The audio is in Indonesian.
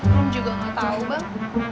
rom juga gak tau bang